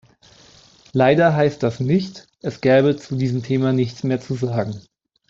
Leider heißt das nicht, es gäbe zu diesem Thema nichts mehr zu sagen.